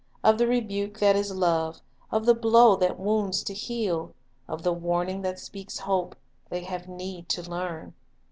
Of the rebuke that is love, of the blow that wounds to heal, of the warning that speaks hope, they have need to learn.